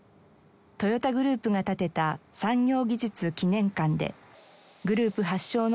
トヨタグループが建てた産業技術記念館でグループ発祥の企業